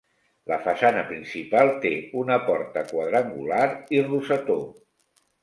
La façana principal té una porta quadrangular i rosetó.